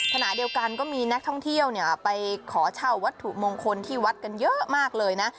ขณะเดียวกันก็มีนักท่องเที่ยวไปขอเช่าวัตถุมงคลที่วัดกันเยอะมากเลยนะ